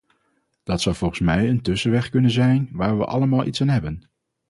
Dat zou volgens mij een tussenweg kunnen zijn waar we allemaal iets aan hebben.